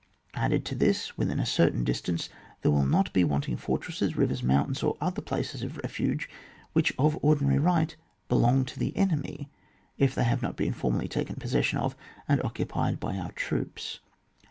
Added to this, within a certain distance there will not be wanting fortresses, rivers, mountains, or other places of refuge, which of ordinary right belong to the enemy, if they have not been formally taken possession of and occupied by our troops.